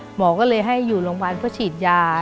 หมอก็เลยให้อยู่โรงพยาบาลเพื่อฉีดยา